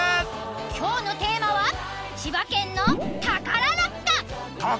今日のテーマは「千葉県の宝」ラッカ！